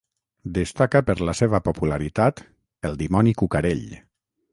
Destaca per la seva popularitat El dimoni cucarell.